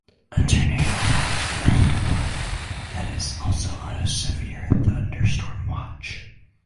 A tornado watch therefore implies that it is also a severe thunderstorm watch.